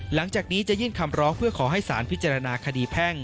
หลังจากนี้จะยื่นคำร้องเพื่อขอให้สารพิจารณาคดีแพ่ง